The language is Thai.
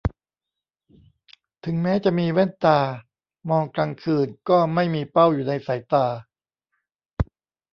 ถึงแม้จะมีแว่นตามองกลางคืนก็ไม่มีเป้าอยู่ในสายตา